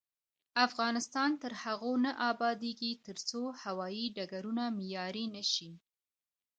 افغانستان تر هغو نه ابادیږي، ترڅو هوايي ډګرونه معیاري نشي.